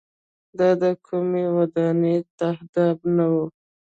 دا د کومۍ ودانۍ تهداب نه و.